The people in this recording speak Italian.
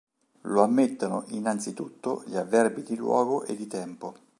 Lo ammettono innanzitutto gli avverbi di luogo e di tempo.